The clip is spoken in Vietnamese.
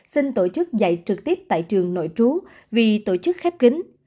xin tổ chức dạy trực tiếp tại trường nội trú vì tổ chức khép kính